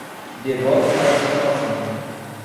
de volta para a escavação.